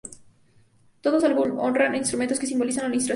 Todas salvo una honran instrumentos que simbolizaban la Ilustración.